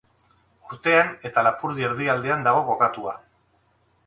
Urtean eta Lapurdi Erdialdean dago kokatua.